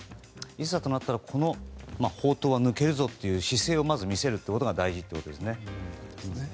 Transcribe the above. いざとなったらこの宝刀は抜けるぞという姿勢を見せることが大事ということですね。